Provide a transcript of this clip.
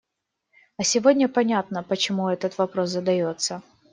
А сегодня понятно, почему этот вопрос задается.